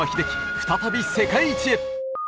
再び世界一へ！